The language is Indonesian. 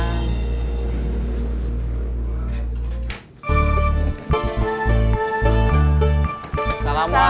nih di belakangnya